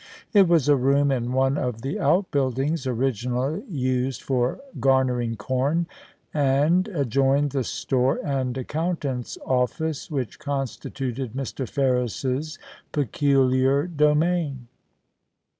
It was a room in one of the outbuildings originally used for garnering corn, and adjoined the store and accountant's office, which constituted Mr. Ferris's peculiar domain.